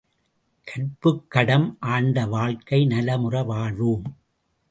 கற்புக்கடம் ஆண்ட வாழ்க்கை நலமுற வாழ்வோம்!